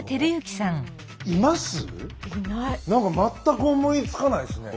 なんか全く思いつかないですね。